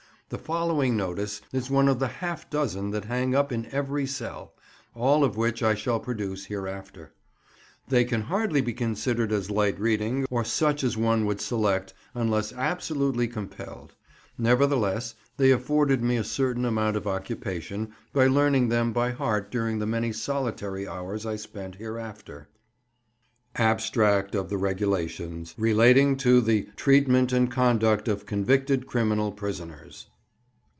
The following notice is one of the half dozen that hang up in every cell—all of which I shall produce hereafter. They can hardly be considered as light reading, or such as one would select unless absolutely compelled; nevertheless, they afforded me a certain amount of occupation by learning them by heart during the many solitary hours I spent hereafter:— ABSTRACT OF THE REGULATIONS RELATING TO THE TREATMENT AND CONDUCT OF CONVICTED CRIMINAL PRISONERS.